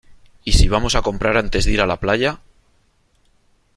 Y si vamos a comprar antes de ir a la playa.